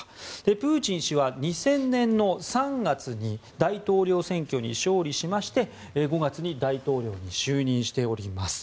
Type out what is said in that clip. プーチン氏は２０００年の３月に大統領選挙に勝利しまして５月に大統領に就任しております。